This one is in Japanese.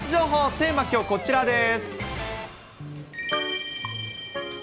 テーマ、きょう、こちらです。